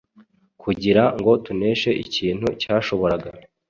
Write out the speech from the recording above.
kugira ngo tuneshe ikintu cyashoboraga